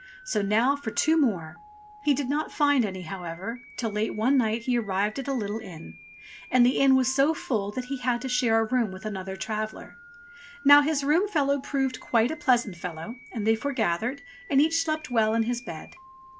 "So now for two more !" He did not find any, however, till late one night he ar rived at a little inn. And the inn was so full that he had to share a room with another traveller. Now his room fellow proved quite a pleasant fellow, and they foregathered, and each slept well in his bed.